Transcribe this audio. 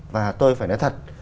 và tôi phải nói thật